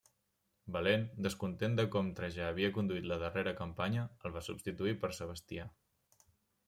Valent, descontent de com Trajà havia conduït la darrera campanya, el va substituir per Sebastià.